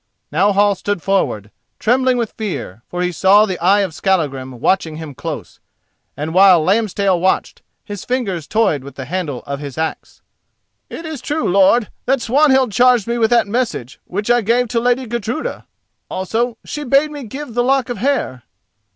Now Hall stood forward, trembling with fear, for he saw the eye of Skallagrim watching him close, and while Lambstail watched, his fingers toyed with the handle of his axe. "It is true, lord, that Swanhild charged me with that message which I gave to the Lady Gudruda. Also she bade me give the lock of hair."